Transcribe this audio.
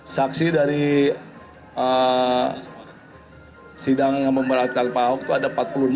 saksi dari sidang yang memberatkan pak ahok itu ada empat puluh enam